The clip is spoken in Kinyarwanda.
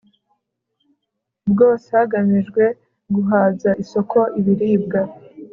bwose hagamijwe guhaza isoko ibiribwa